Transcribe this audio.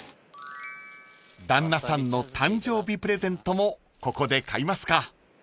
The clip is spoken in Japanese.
［旦那さんの誕生日プレゼントもここで買いますか］